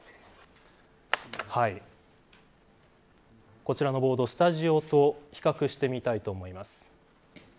こちらのボードスタジオと比較してみたいと思います。